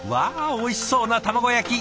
おいしそうな卵焼き。